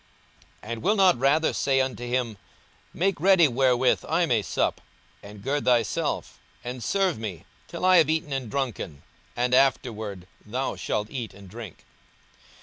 42:017:008 And will not rather say unto him, Make ready wherewith I may sup, and gird thyself, and serve me, till I have eaten and drunken; and afterward thou shalt eat and drink?